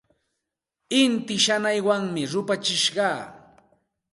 Inti shanaywan rupachishqa.